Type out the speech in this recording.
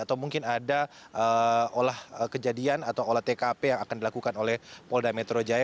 atau mungkin ada olah kejadian atau olah tkp yang akan dilakukan oleh polda metro jaya